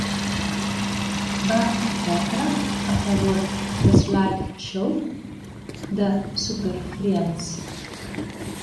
Va perdre a favor d'"Slide Show" de Superfriendz.